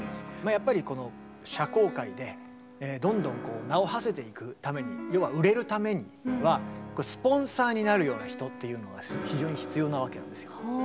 やっぱりこの社交界でどんどん名をはせていくために要は売れるためにはスポンサーになるような人っていうのが非常に必要なわけなんですよ。